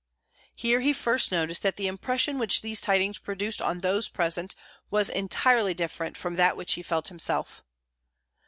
Here he first noticed that the impression which these tidings produced on those present was entirely different from that which he felt himself.